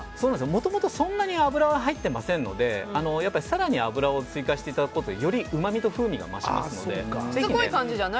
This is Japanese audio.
もともとそんなに油は入ってませんので、更に油を追加していただくことでよりうまみと風味が増しますので。